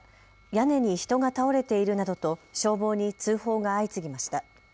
屋根に人が倒れているなどと消防に通報が相次ぎました。